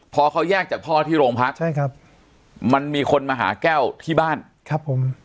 พอเขาแยกจากพ่อที่โรงพักใช่ครับมันมีคนมาหาแก้วที่บ้านครับผม